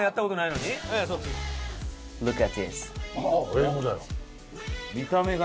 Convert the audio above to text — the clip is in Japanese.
英語だよ。